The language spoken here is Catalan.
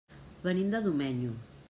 Venim de Domenyo.